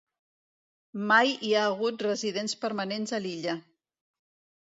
Mai hi ha hagut residents permanents a l'illa.